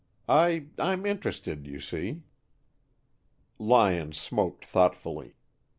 I I'm interested, you see." Lyon smoked thoughtfully.